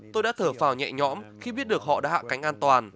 tôi đã thở phào nhẹ nhõm khi biết được họ đã hạ cánh an toàn